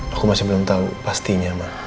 aku masih belum tahu pastinya mbak